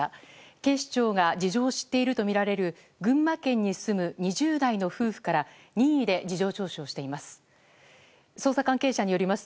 警視庁が事情を知っているとみられる群馬県に住む２０代の夫婦から任意で事情聴取をしています。